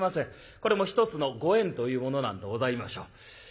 これも一つのご縁というものなんでございましょう。